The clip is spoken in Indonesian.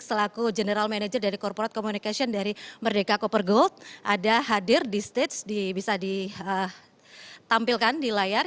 selaku general manager dari corporate communication dari merdeka cooper gold ada hadir di stage bisa ditampilkan di layar